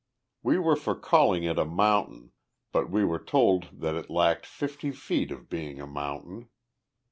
We were for calling it a mountain, but we were told that it lacked fifty feet of being a mountain.